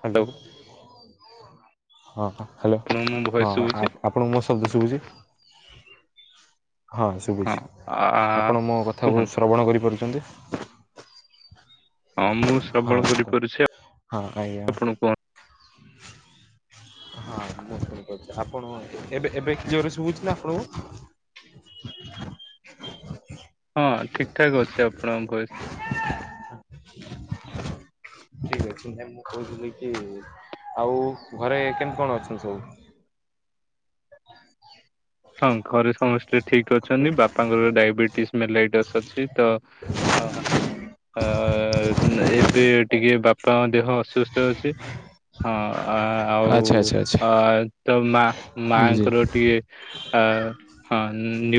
Hello hello, ହ hello ଆପଣଙ୍କୁ ମୋ ହଁ ଭଏସ ହଁ ଆ ଶୁଭୁଛି ଆପଣଙ୍କୁ ମୋ ଶବ୍ଦ ଶୁବୁଛି? ହଁ ଶୁଭୁଛି ଆ ଆପଣ ମୋ କଥାକୁ କୁହନ୍ତୁ ଶ୍ରବଣ କରିପାରୁଛନ୍ତି? ହଁ ମୁଁ ହଁ ଶ୍ରବଣ କରିପାରୁଛି ହଁ ଆଜ୍ଞା ଆପଣ କୁହନ୍ତୁ? [unintelligible] ହଁ ମୁଁ ଆପଣଙ୍କୁ କରୁଛି ଏବେ ଏବେ କ୍ଲିଅର ଶୁଭୁଛି ନା ଆପଣଙ୍କୁ? ହଁ ଠିକ ଠାକ୍ ଅଛି ଆପଣଙ୍କ ଭଏସ୍। ଠିକ ଅଛି ନାଇଁ ମୁଁ କହୁଥିଲି କି ଆଉ ଘରେ କେମିତି କଣ ଅଛନ୍ତି ସବୁ? ହଁ ଘରେ ସମସ୍ତେ ଠିକ ହୁଁ? ଅଛନ୍ତି ବାପାଙ୍କର ଡାଇବେଟିସ୍ ମେଲେଡସ୍ ଅଛି ତ ଅ- ଅ ଏବେ ଟିକେ ବାପାଙ୍କ ଦେହ ଅସୁସ୍ଥ ଅଛି। ହଁ ଆଉ ଆଚ୍ଛା ଆଚ୍ଛା ଆଚ୍ଛା ଅ ତ ମା ବୁଝିଲି ମାଙ୍କର ଟିକେ ଆ ହଁ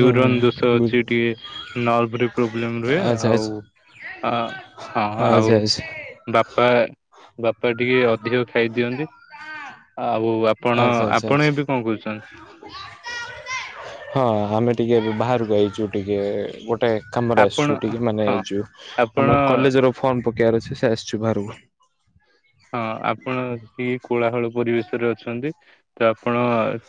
ହୁଁ ଦୋଷ ହୁଁ ଅଛି ଟିକେ- ନର୍ଭ ରେ ପ୍ରୋବ୍ଲେମ ରୁହେ ଆଚ୍ଛା ଆଉ ଆଚ୍ଛା ହଁ ଆଉ ଆଚ୍ଛା ଆଚ୍ଛା ବାପା ବାପା ଟିକେ ଅଧିକ ଖାଇଦିଅନ୍ତି। ଆଉ ଆପଣ ଆଚ୍ଛା ଆଚ୍ଛା ଆପଣ ଆଚ୍ଛା। ଏବେ କଣ କହୁଛନ୍ତି? ହଁ ଆମେ ଟିକେ ବାହାରକୁ ଆଇଛୁ ଟିକେ ଗୋଟେ କାମରେ ଆପଣ ଆସିଛୁ ଟିକେ ମାନେ ହଁ ଏ ଯଉ ଆପଣ ଆମର କଲେଜର ଫର୍ମ ପକେଇବାର ଅଛି ସେ ଆସିଛୁ ବାହାରକୁ। ହଁ ଆପଣ କିଏ କୋଳାହଳ ପରିବେଶରେ ଅଛନ୍ତି ତ ଆପଣ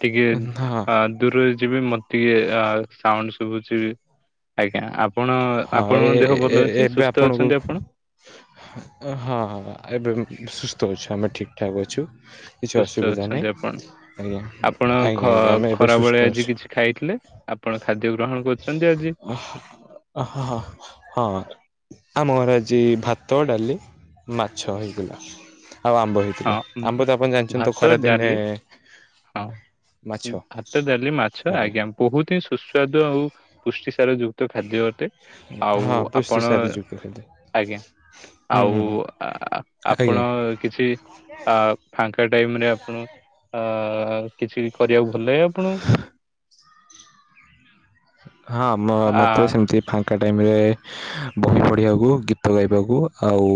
ଟିକେ ହଁ। ଆ ଦୂରରେ ଯିବେ ମତେ ଟିକେ ଆ ସାଉଣ୍ଡ ଶୁଭୁଛିିବି ଆଜ୍ଞା ଆପ୍ ଣ ହଁ ଏ ଆପଣଙ୍କ ଦେହ ଏ ଭଲ ଅଛି ଏବେ ସୁସ୍ଥ ଆପଣଙ୍କୁ ଅଛନ୍ତି ଆପଣ? ହଁ ହଁ ଏବେ ସୁସ୍ଥ ଅଛି ଆମେ ଠିକ ଠାକ ଅଛୁ। କିଛି ସୁସ୍ଥ ଅସୁବିଧା ଅଛନ୍ତି ଆପଣ। ନାହିଁ। ଆଜ୍ଞା ଆପଣ ଆଜ୍ଞା ଖ ଆଜ୍ଞା ଆମେ ଏବେ ସୁସ୍ଥ ଖରାବେଳେ ଆଜି ଅଛୁ। କିଛି ଖାଇଥିଲେ ଆପଣ ଖାଦ୍ୟ ଗ୍ରହଣ କରୁଛନ୍ତି ଆଜି? ହ [unintelligible] ହଁ ହଁ। ଆମ ଘର ଆଜି ଭାତ ଡାଲି ମାଛ ହେଇଗଲା ଆଉ ଆମ୍ବ ହଁ ଥିଲା ଉଁ, ଆମ୍ବ ତ ଆପଣ ଜାଣିଛନ୍ତି ତ ଭାତ ଖରା ଦିନେ ଡାଲି ହଁ ହାତ ଦେଲି ମାଛ ଆଜ୍ଞା ବହୁତ ହିଁ ସୁସ୍ୱାଦୁ ଆଉ ପୁଷ୍ଟି ସାର ଯୁ ତ ଖାଦ୍ୟ ଅଟେ ଆଉ ହଁ ପୁଷ୍ଟି ଆପଣ ସାର ଯୁକ୍ତ ଖାଦ୍ୟ। ଆଜ୍ଞା ହୁଁ ଆଉ ହୁଁ ଆ ଆଜ୍ଞା। ଆପଣ କିଛି ଆ ଫାଙ୍କା ଟାଇମରେ ଆପଣ ଅ କିଛି କରିବାକୁ ଭଲ ଲାଗେ ଆପଣଙ୍କୁ? ହଁ ମ ଆ ମତେ ସେମିତି ଫା ଏକାଡ଼େମୀରେ ବହି ପଢ଼ିବାକୁ ଗୀତ ଗାଇବାକୁ ଆଉ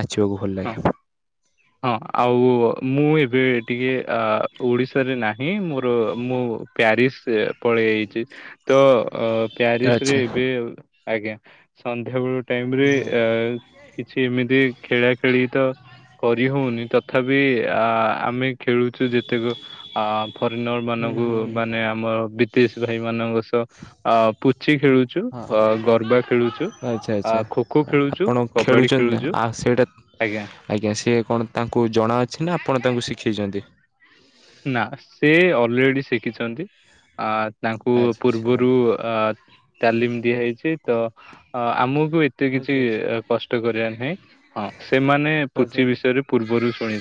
ନାଚିବାକୁ ଭଲ ହଁ। ଲାଗେ। ହଁ ଆଉ ମୁଁ ଏବେ ଟିକେ ଓଡ଼ିଶାରେ ନାହିଁ ମୋର ମୁଁ ପ୍ୟାରିସ ପଳେଇଆଇଛି ତ ପ୍ୟାରିସ ଆଚ୍ଛା। ରେ ଏବେ ଆଜ୍ଞା ସନ୍ଧ୍ୟାବେଳ ହଁ ଟାଇମରେ ହୁଁ କିଛି ଏମିତି ଖେଳା ଖେଳି ତ କରି ହଉନି ତଥାପି ଆ ଆମେ ଖେଳୁଛୁ ଯେତେକ ଆ ଫରେନର ମାନଙ୍କୁ ହୁଁ ହୁଁ ମାନେ ଆମର ବିଦେଶ ଭାଇ ମାନଙ୍କ ସହ ଅ ପୁଚି ଖେଳୁଛୁ ହଁ ଅ ଗରବା ଖେଳୁଛୁ ଆଚ୍ଛା ଆ ଆଚ୍ଛା। ଖୋ ଖୋ ଖେଳୁଛୁ ଆପଣ କବାଡି ଖେଳୁଛନ୍ତି ନା ଖେଳୁଛୁ ଆ ସେଇଟା? ଆଜ୍ଞା। ଆଜ୍ଞା ସିଏ କଣ ତାଙ୍କୁ ଜଣାଅଛି ନା ଆପଣ ତାଙ୍କୁ ଶିଖାଇଛନ୍ତି। ନା ସେ ଅଲରେଡି ଶିଖିଛନ୍ତି ଅ ତାଙ୍କୁ ଆଚ୍ଛା ଆଚ୍ଛା ପୂର୍ବରୁ ଅ ତାଲିମ ଦିଆ ହେଇଛି ତ ଆମକୁ ଏ ଏତେ କିଛି ଆଚ୍ଛା। କଷ୍ଟ କରିବା ନାହିଁ ହଁ ସେମାନେ ପୁଚି ବିଷୟରେ ପୂର୍ବରୁ ଶୁଣି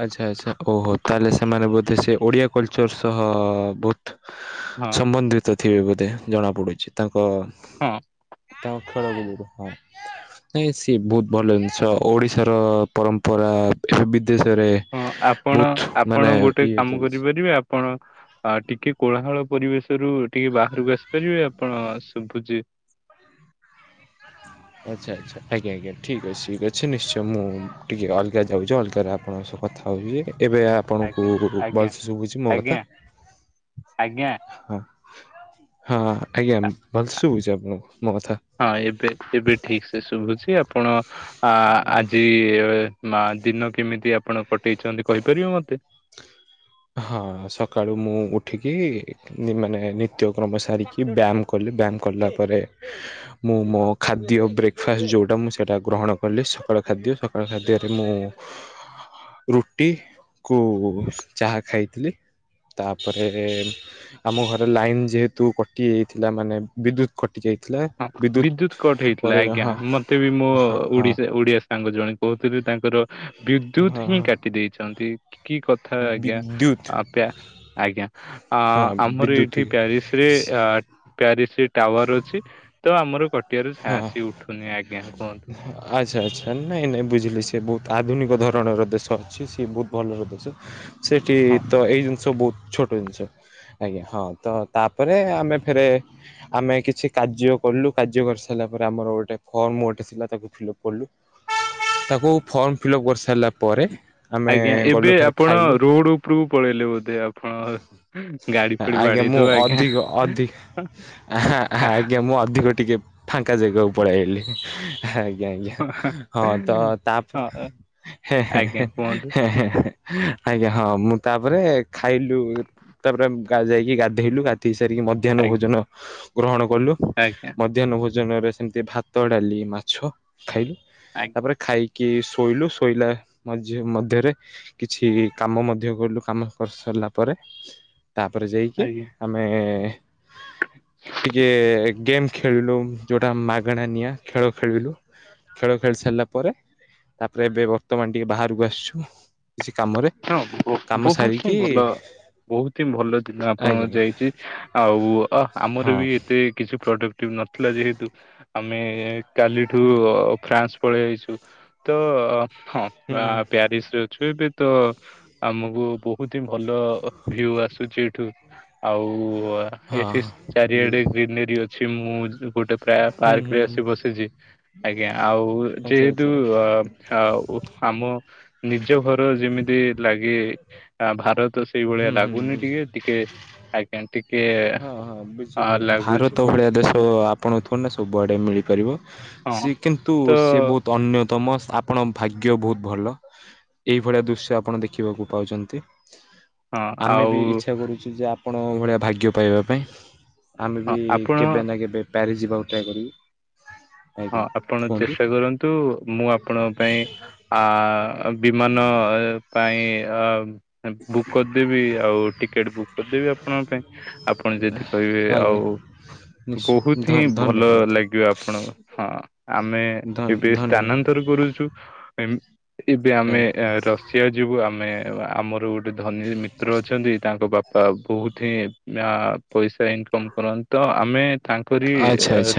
ଆଚଛା ଆଚ୍ଛା ଓହୋ ତାହେଲେ ସେମାନେ ବୋଧେ ସେ ଓଡିଆ କଲଚର ସହ ବହୁତ ହଁ ସମ୍ବନ୍ଧିତ ଥିବେ ବୋଧେ ଜଣା ପଡୁଛି ତାଙ୍କ ହଁ ତାଙ୍କ ଖ ହଁ ସିଏ ବହୁତ ଭଲ ଜିନିଷ ଓଡିଶାର ପରମ୍ପରା ସେ ବଦେ ସରେ ହଁ ଆପଣ ଆପଣ ଗୋଟେ କାମ ଚାଲିଛି। କରିପାରିବେ ଆପଣ ଆ ଟିକେ କୋଳାହାଳ ପରିବେଶରୁ ଟିକେ ବାହାରକୁ ଆସିପାରିବେ ଆପଣ ଶୁଭୁଛି ଆଚ୍ଛ ଆଚ୍ଛା। ଆଜ୍ଞା ଆଜ୍ଞା ଠିକ୍ ଅଛି ଠିକ୍ ଅଛି ନିଶ୍ଚୟ ମୁଁ ଟିକେ ଅଲଗା ଯାଉଛି ଅଲଗାରେ ଆପଣଙ୍କ ସହ କଥା ହେଉଛି ଏବେ ଆପଣଙ୍କୁ ଆଜ୍ଞା ଆଜ୍ଞା ଭଲସ ଶୁୁଛି ମୋ କଥା ଆଜ୍ଞା ହଁ ହଁ ଆଜ୍ଞାମ ଭଲ ଆଜ୍ଞା ଶୁଛିଣ ମଥା ହଁ ଏବେ ଏବେ ଠିକ ସେ ଶୁଭୁଛି ଆପଣ ଆ ଆଜି ମା ଦିନ କେମିତି ଆପଣ କଟେଇଛନ୍ତି କହିପାରିବେ ମତେ? ହଁ ସକାଳୁ ମୁଁ ଉଠିକି ମାନେ ନିତ୍ୟକ୍ରମ ସାରିକି, ବ୍ୟାୟାମ କଲି, ବ୍ୟାୟାମ କଲା ପରେ ମୁଁ ମୋ ଖାଦ୍ୟ ବ୍ରେକ୍ଫାଷ୍ଟ ଯେଉଁଟା ମୁଁ ସେଇଟା ଗ୍ରହଣ କଲି, ସକାଳ ଖାଦ୍ୟ, ସକାଳ ଖାଦ୍ୟରେ ମୁଁ ରୁଟି କୁ ଚାହା ଖାଇଥିଲି। ତାପରେ ଆମ ଘରେ ଲାଇନ୍ ଯେହେତୁ କଟିଯାଇଥିଲା ମାନେ ବିଦ୍ୟୁତ୍ କଟି ଯାଇଥିଲା। ହଁ ବିଦ୍ୟୁତ କଟ ହେଇଥିଲା, ପରେ ଆଜ୍ଞା ହଁ ମତେ ବି ମୋ ହଁ ହଁ ଓଡିସା ଓଡ଼ିଆ ରେ ତାଙ୍କୁ ଜଣେ କହୁଥିଲେ ତାଙ୍କର ବିଦ୍ୟୁତ ହିଁ ହଁ କାଟି ଦେଇଛନ୍ତି। କି କଥା ଆଜ୍ଞା, ବିଦ୍ୟୁତ ଆପେ ଆଜ୍ଞା। ଅ ହଁ ଆମର ବିଦ୍ୟୁତ ଏଇଠି ପ୍ୟାରିସ ରେ ପ୍ୟାରିସ ରେ ଟାୱାର ଅଛି। ତ ଆମର କଟିଆରୁ ହଁ ଚାନସ ହି ଉଠୁନି ଆଜ୍ଞା କୁହନ୍ତୁ। ଆଚ୍ଛା, ଆଚ୍ଛା ନାଇଁ, ନାଇଁ ବୁଝିଲି ସେ ବହୁତ ଆଧୁନିକ ଧରଣର ଦେଶ ଅଛି ସିଏ ବହୁତ ଭଲର ଦେଶ ସେଟି ହଁ। ତ ଏଇ ଜିନିଷ ବହୁତ ଛୋଟ ଜିନିଷ। ଆଜ୍ଞା ହଁ ତ ତାପରେ ଆମେ ଫେରେ ଆମେ କିଛି କାର୍ଯ୍ୟ କଲୁ, କା କାର୍ଯ୍ୟ କରିସାରିଲା ପରେ ଆମର ଗୋଟେ ଫର୍ମଁ ଗୋଟେ ଥିଲା ତାକୁ ଫିଲ୍ଅପ୍ କଲୁ। ତାକୁ ଫର୍ମ ଫିଲ୍ଅପ୍ କରିସାରିଲା ପରେ ଆମେ ଆଜ୍ଞା ଏବେ ଗଲୁ ଫେରେ ଆପଣ ଖାଇଲୁ ରୋଡ ଉପରକୁ ପଳେଇଲେ ବୋଧେ ଆପଣ ଗାଡି ଫାଡି ଆଜ୍ଞା ମୁଁ ବାଡେଇଦବ ଆଜ୍ଞା। ଅଧିକ ଅଧିକ ଆଜ୍ଞା ମୁଁ ଅଧିକ ଟିକେ ଫାଙ୍କା ଜାଗାକୁ ପଳେଇଆଇଲିି। ଆଜ୍ଞା, ଆଜ୍ଞା, ହଁ ତ ତାପରେ ହଁ ଆଜ୍ଞା କୁହନ୍ତୁ ଆଜ୍ଞା, ହଁ, ମୁଁ ତାପରେ ଖାଇଲୁ ତାପରେ ଯାଇକି ଗାଧେଇଲୁ, ଗାଧେଇ ସାରିକି ମଧ୍ୟାହ୍ନ ଭୋଜନ ଆଜ୍ଞା ଗ୍ରହଣ କଲୁ। ଆଜ୍ଞା ମଧ୍ୟାହ୍ନ ଭୋଜନରେ ସେମିତି ଭାତ, ଡାଲି, ମାଛ ଖାଇଲୁ, ଆଜ୍ଞା ତାପରେ ଖାଇକି କି ଶୋଇଲୁ, ଶୋଇଲା ମଧ୍ୟରେ କିଛି କାମ ମଧ୍ୟ କଲୁ, କାମ କରି ସାରିଲା ପରେ ତାପରେ ଯାଇକି ଆଜ୍ଞା। ଆମେ ଟିକେ ଗେମ୍ ଖେଳିଲୁ ଯୋଉଟା ମାଗଣା ନିଆଁ ଖେଳ ଖେଳିଲୁ। ଖେଳ ଖେଳି ସାରିଲା ପରେ ତାପରେ ଏବେ ବର୍ତ୍ତମାନ ଟିକେ ବାହାରକୁ ଆସିଛୁ। କିଛି କାମରେ ହଁ କାମ ବହୁତ ସାରିକି ହିଁ ଭଲ। ବହୁତ ହିଁ ଭଲ ଦିନ ଆପଣଙ୍କ ଆଜ୍ଞା ଯାଇଛି, ଆଉ ଅ ଆମର ହଁ ବି ଏତେ କିଛି ପ୍ରଡକ୍ଟ ନ ନଥିଲା ଯେହେତୁ, ଆମେ କାଲିଠୁ ଫ୍ରାନ୍ସ ପଳେଇ ଯାଇଛୁ ତ ହଁ ହୁଁ ବ ହୁଁ ପ୍ୟାରିସ ରେ ଅଛୁ ଏବେ ତ ଆମକୁ ବହୁ ବହୁତ ହିଁ ଭଲ ଭିଉ ଆସୁଛି ଏଇଠୁ ଆଉ ହଁ ଏଠି ହଁ ବୁଝ ଚାରିଆଡେ ଗ୍ରୀନରୀ ଅଛି, ମୁଁ ଗୋଟେ ପ୍ରାୟ ହୁଁ ପାର୍କ ହୁଁ ରେ ହୁଁ ଆସି ବସିଛି ଆଜ୍ଞା, ଆଉ ଆଚ୍ଛା ଯେହେତୁ ଆଚ୍ଛା ଅ ଆ ଆମ ନିଜ ଘର ଯେମିତି ଲାଗେ ଭାରତ ସେଇ ଭଳିଆ ହୁଁ ହୁଁ ଲାଗୁନି ବୁଝ ଟିକେ ଟିକେ ଆଜ୍ଞା ଟିକେ ହଁ, ହଁ, ଅ ବୁଝିଲି ଲାଗୁଛି ଭାରତ ଭଳିଆ ଦେଶ ଆପଣ ଥୋଡିନା ସବୁଆଡ଼େ ମିଳିପାରିବେ ହଁ ସିଏ କିନ୍ତୁ ତ ସିଏ ବହୁତ ଅନ୍ୟତମ ଆପଣଙ୍କ ଭାଗ୍ୟ ବହୁତ ଭଲ ଏହିଇଭଳିଆ ଦୃଶ୍ୟ ଆପଣ ଦେଖିବାକୁ ପାଉଛନ୍ତି। ହଁ ଆମେ ଆଉ ବି ଇଛା କରୁ ଯେ ଆପଣଙ୍କ ଭଳିଆ ଭାଗ୍ୟ ପାଇବା ପାଇଁ ଆମେ ହଁ ବି ଆପଣ କେବେ ନା କେବେ ପ୍ୟାରିସ ଯିବାକୁ ଟ୍ରାଏ କରିବୁ। ହଁ ଆଜ୍ଞା ଆପଣ କୁହନ୍ତୁ ଚେଷ୍ଟା କରନ୍ତୁ, ମୁଁ ଆପଣଙ୍କ ପାଇଁ ଆ ବିମାନ ପାଇଁ ବୁକ୍ କରିଦେବି, ଆଉ ଟିକେଟ ବୁକ୍ କରିଦେବି ଆପଣଙ୍କ ପାଇଁ। ଆପଣ ଯଦି କହିବେ ଆଜ୍ଞା ଆଉ ବହୁତ ନିଶ୍ଚୟ ହିଁ ଭଲ ଧନ୍ୟବାଦ ଲାଗିବ, ଆପଣ ହଁ ଆମେ ଧନ୍ୟ ଏବେ ଧନ୍ୟ ସ୍ଥାନାନ୍ତର କରୁଛୁ। ଏବେ ଆମେ ଆଜ୍ଞା ରଷିଆ ଯିବୁ ଆମେ ଆମର ଗୋ ଗୋଟେ ଧନୀ ମିତ୍ର ଅଛନ୍ତି, ତାଙ୍କ ବାପା ବହୁତ ହିଁ ପଇସା ଇନକମ୍ କରନ୍ତି ତ ଆମେ ତାଙ୍କରି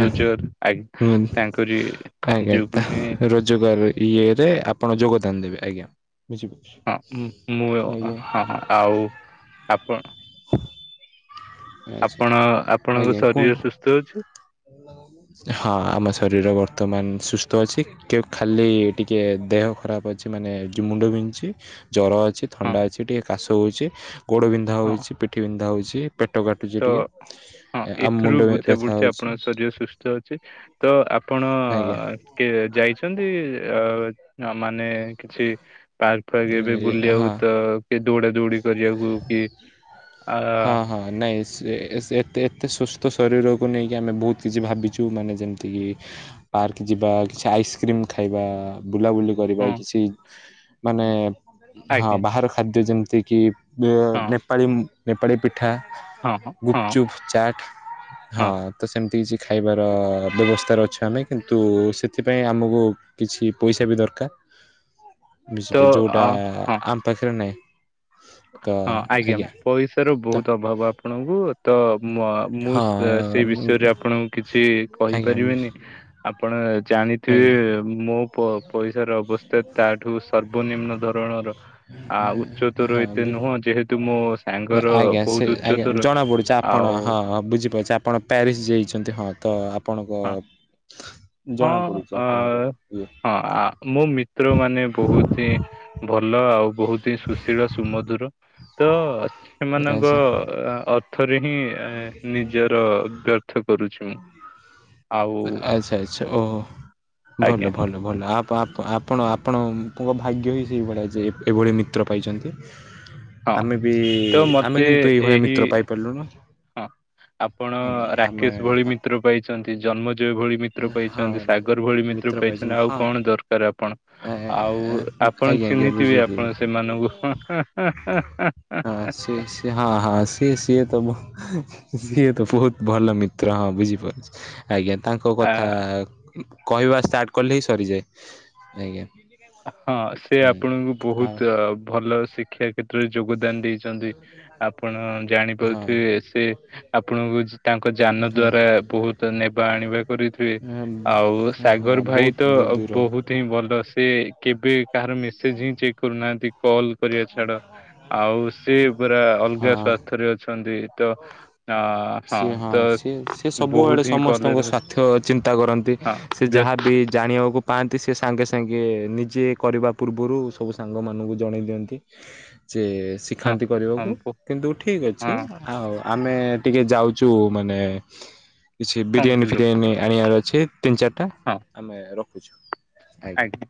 ରୋଜଗାର ଆ [unintelligible] ତାଙ୍କରି ଯୋଗୁ ହିଁ ଗାର ଇଏରେ ଆପଣ ଯୋଗଦାନ ଦେବେ ଆଜ୍ଞା। ଯୋ ବୁଝିପଛି। ହଁ ମୁଁ ହଁ ଆଉ ଆପଣ ଆଚ୍ଛା ଆପଣ ଆପଣଙ୍କ ଆଜ୍ଞା ଶରୀର କୁହନ୍ତୁ। ସୁସ୍ଥ ଅଛି? ହଁ ଆମ ଶରୀର ବର୍ତ୍ତମାନ ସୁସ୍ଥ ଅଛି। ଖାଲି ଟିକେ ଦେହ ଖରାପ ଅଛି ମାନେ ଯୋଗାଯୋଗ ମୁୁଣ୍ଡ ବିନ୍ଧୁଛି ଜର ଅଛି। ହଁ ଥଣ୍ଡା ଅଛି ଟିକେ କାଶ ହେଉଛି ଗୋଡ଼ ବିନ୍ଧା ହଁ ହେଉଛି ପିଠି ବିନ୍ଧା ହେଉଛି। ପେଟ କାଟୁଛି ଟିକେ ତ ହଁ ଆଉ ଏଥିରୁ ମୁଣ୍ଡ ବୁଝା ବ୍ୟଥା ପଡୁଛି ହଉଛି। ଆପଣଙ୍କ ଶରୀର ସୁସ୍ଥ ଅଛି ତ ଆପଣ ଆଜ୍ଞା କିଏ ଯାଇଛନ୍ତି ଅ ମାନେ କିଛି ପାର୍କ? ଫେର ଏବେ ବୁଲିବାକୁ ହଁ। ତ କି ଦୌଡା ଦୌଡି କରିବାକୁ କିଏ ହଁ, ହଁ। ନାଇଁ ଏତେ ଏତେ ସୁସ୍ଥ ଶରୀରକୁ ନେଇକି ଆମେ ବହୁତ କିଛି ଭାବିଛୁ ମାନେ ଯେମିତିକି ପାର୍କ ଯିବା କିଛି ଆଇସ୍କ୍ରିମ ଖାଇବା ବୁଲାବୁଲି କରିବା ହଁ କିଛି ମାନେ ହଁ ଆଜ୍ଞା ବାହାର ଖାଦ୍ୟ ଯେମିତି କିି ହଁ ନେପାଳୀ ନେପାଳୀ ପିଠା ହଁ ହଁ ଗୁପଚୁପ ଚାଟ ହଁ ତ ସେମିତି କିଛି ଖାଇବାର ବ୍ୟବସ୍ଥାରେ ଅଛୁ ଆମେ କିନ୍ତୁ ସେଥିପାଇଁ ଆମକୁ କିଛି ପଇସା ବି ଦରକାର ତ ବୁଝିଲେ ଯୋଉଟା ଅ ହଁ ଆମ ପାଖରେ ନାଇଁ ତ ଆଜ୍ଞା। ପଇସାର ତ ବହୁତ ଅଭାବ ଆପଣଙ୍କୁ ତ ମୁଁ ହଁ ସେଇ ବିଷୟରେ ଆପଣଙ୍କୁ କିଛି ଆଜ୍ଞା କହିପାରିବିନି ଆପଣ ଜାଣିଥିବେ ଆଜ୍ଞା ମୋ ପ ପଇସାର ଅବସ୍ଥା ତା ଠୁ ସର୍ବନିମ୍ନ ଧରଣର ଆ ହଁ ଉଚ୍ଚତରହି ହଁ ଯେହେତୁ ମୁଁ ଆଜ୍ଞା ସେ ଆଜ୍ଞା ଜଣା ପଡୁଛି ଆପଣ ଆଉ ହଁ। ବୁଝିପାରୁଛ ଆପଣ ପ୍ୟାରିସ ଯାଇଛନ୍ତି ହଁ ତ ଆପଣଙ୍କ ହଁ ହଁ ଜଣାପଡ଼ୁଛି ଅ ଆପଣଙ୍କର ଇଏ। ହଁ ମୋ ମିତ୍ର ମାନେ ବହୁତ ହ ଭଲ ଆଉ ବହୁତ ହିଁ ସୁଶୀଳ ସୁମଧୁର। ତ ସେମାନଙ୍କ ଆଚ୍ଛା ଅର୍ଥରେ ହିଁ ନିଜର ବ୍ୟର୍ଥ କରୁଛି ମୁଁ। ଆଉ ଆଚ୍ଛା ଆଚ୍ଛା ଓହୋ ଭଲ ଆଜ୍ଞା ଭଲ। ଭଲ ଆପଣ ଆପଣଙ୍କ ଭାଗ୍ୟ ହିଁ ସେଇଭଳିଆ ଯେ ଏଭଳି ମିତ୍ର ପାଇଛନ୍ତି। ହଁ ଆମେ ବି ତ ଆମେ ମତେ କିନ୍ତୁ ଏଇଭଳିଆ ଏହି ମିତ୍ର ପାଇପାରିଲୁନୁ। ହଁ ଆପଣ ହେଲା ଆମେ ରାକେଶ ଭଳି ମିତ୍ର ପାଇଛନ୍ତି ଜନ୍ମଜୟ ଭଳି ମିତ୍ର ପାଇ ହଁ ସାଗର ଭଳି ମିତ୍ର ପାଇଛନ୍ତି ଆଉ କଣ ଦରକାର ଆପଣ ଏ ଆଉ ଆପଣ ଆଜ୍ଞା ଆଜ୍ଞା ଚିହ୍ନିଥିବେ ବୁଝିଲି। ଆପଣ ସେମାନଙ୍କୁ ହଁ ସିଏ [unintelligible] ହଁ ହଁ ସିଏ ସିଏ ତ ସିଏ ତ ବହୁତ ଭଲ ମିତ୍ର ହଁ ବୁଝିପାରୁଛି। ଆଜ୍ଞା ତାଙ୍କ ଆ କଥା କହିବା ଷ୍ଟାର୍ଟ କଲେ ହିଁ ସରିଯାଏ ଆଜ୍ଞା। ହଁ ସେ ହୁଁ ଆପଣଙ୍କୁ ଆଉ ବହୁତ ଭଲ ଶିକ୍ଷା କ୍ଷେତ୍ରରେ ଯୋଗଦାନ ଦେଇ ଆପଣ ହଁ ଜାଣିପାରୁଥିବେ ସେ ଆପଣଙ୍କୁ ତାଙ୍କ ଯାନ ହଁ ଦ୍ଵାରା ବହୁତ ନେବା କରିଥିବେ? ଆଉ ସାଗର ହଁ ଭାଇ ବହୁତ ତ ଦୂର ବହୁତ ହିଁ ଭଲ ସେ କେବେ କାହାର ମିଶ ସେ ସ୍ଚେକ୍ କରୁନାହାନ୍ତି କଲ କରିବେସ ଛାଡ ଆଉ ସେ ପା ଅଲଗା ହଁ ସ୍ଵାସ୍ଥ୍ୟରେ ଅଛନ୍ତି ତ ଅ ହଁ ସିଏ ତ ସିଏ ସିଏ ସବୁଆଡ଼େ ବହୁତ ହିଁ ସମସ୍ତଙ୍କ କଲେଜ ସ୍ୱାର୍ଥ ଚିନ୍ତା କରନ୍ତି ସେ ଯାହା ବ୍ୟସ୍ତ ବି ଜାଣିବାକୁ ପାଆନ୍ତି ସେ ସାଙ୍ଗେ ସାଙ୍ଗେ ନିଜେ କରିବା-ୂ ପୂର୍ବରୁ ସବୁ ସାଙ୍ଗମାନଙ୍କୁ ଜଣେଇ ଦିଅନ୍ତି ଯେ ସେ ହଁ ଶିଖାନ୍ତି ହଁ କରିବାକୁ ବ- କିନ୍ତୁ ଠିକ୍ ଅଛି। ହଁ ଆଉ ଆମେ ଟିକେ ଯାଉଛୁ ମାନେ କିଛି ଫର୍ମ ବିରିୟାନୀ ଫିଲପ ଫିରିୟାନୀ ଆଣିବାର ଅଛି ତିନି ଚାରିଟା ହଁ ଆମେ ରଖୁଛୁ। ଆଜ୍ଞା।